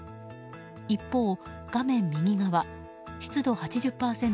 一方、画面右側湿度８０％